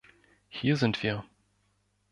Hier sind wir.